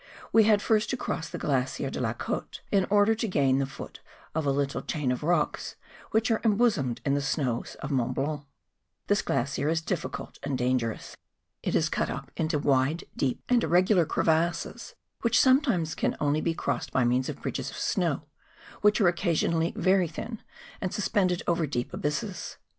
We had first to cross the glacier de la Cote in order to gain the foot of a little chain of rocks which are embosomed in the snows of Mont Blanc. This glacier is difficult and dangerous. It is cut up into wide, deep, and irregular crevasses, which some¬ times can only be crossed by means of bridges of snow, which are occasionally very thin, and sus¬ pended over deep abysses.